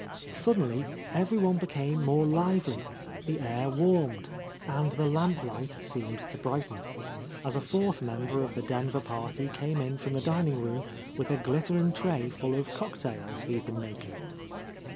Suddenly everyone became more lively; the air warmed, and the lamplight seemed to brighten, as a fourth member of the Denver party came in from the dining room with a glittering tray full of cocktails he had been making.